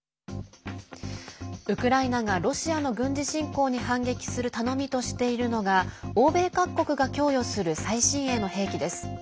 ウクライナがロシアの軍事侵攻に反撃する頼みとしているのが欧米各国が供与する最新鋭の兵器です。